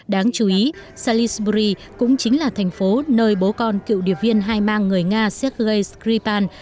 đáng chú ý salisbury cũng chính là thành phố nơi bố con cựu điệp viên hai mang người nga sergei skripal